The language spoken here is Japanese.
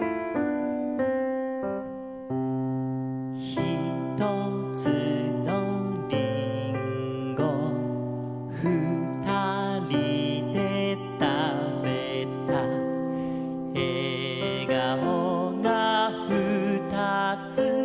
「ひとつのリンゴ」「ふたりでたべた」「えがおがふたつ」